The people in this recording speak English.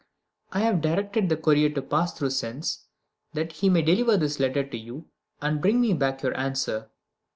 I have directed the courier to pass through Sens, that he may deliver this letter to you, and bring me back your answer.